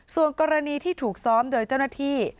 ส่วนกรณีที่ถูกซ้อมโดยเจ้าหน้าที่